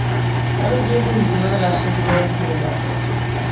আমি গিয়ে দেখি কীভাবে লাশকে পোল্যান্ডে ফিরিয়ে নেয়া যায়?